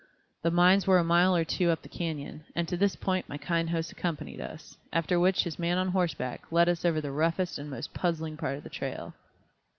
The mines were a mile or two up the canyon, and to this point my kind host accompanied us, after which his man on horseback led us over the roughest and most puzzling part of the trail.